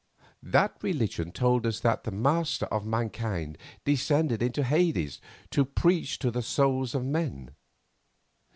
That religion told us that the Master of mankind descended into Hades to preach to the souls of men.